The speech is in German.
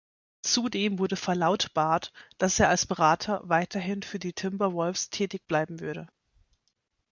Zudem wurde verlautbart, dass er als Berater weiterhin für die Timberwolves tätig bleiben würde.